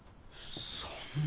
そんな。